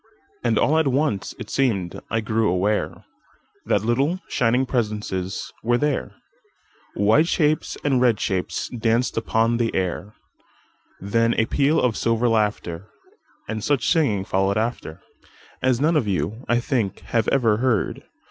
And all at once it seem'd I grew awareThat little, shining presences were there,—White shapes and red shapes danced upon the air; Then a peal of silver laughter, And such singing followed afterAs none of you, I think, have ever heard.